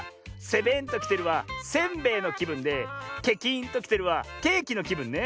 「ゼベンときてる」はせんべいのきぶんで「ケキンときてる」はケーキのきぶんね。